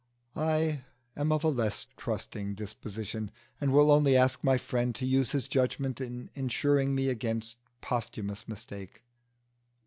I am of a less trusting disposition, and will only ask my friend to use his judgment in insuring me against posthumous mistake.